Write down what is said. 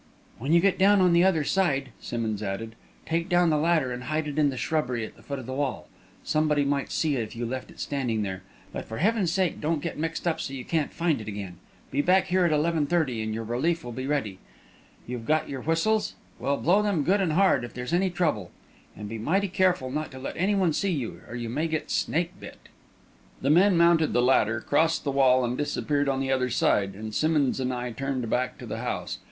"When you get down on the other side," Simmonds added, "take down the ladder and hide it in the shrubbery at the foot of the wall. Somebody might see it if you left it standing there. But for heaven's sake, don't get mixed up so you can't find it again. Be back here at eleven thirty, and your relief will be ready. You've got your whistles? Well, blow them good and hard if there's any trouble. And be mighty careful not to let anyone see you, or you may get snake bit!" The men mounted the ladder, crossed the wall and disappeared on the other side, and Simmonds and I turned back to the house.